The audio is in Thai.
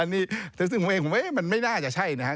อันนี้แต่สิ่งผมเองมันไม่น่าจะใช่นะครับ